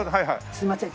すみません。